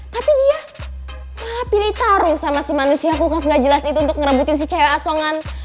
tapi dia pilih taruh sama si manusia kulkas nggak jelas itu untuk ngerebutin si cewek asongan